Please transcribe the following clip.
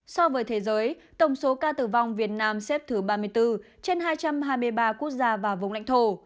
so với thế giới tổng số ca tử vong việt nam xếp thứ ba mươi bốn trên hai trăm hai mươi ba quốc gia và vùng lãnh thổ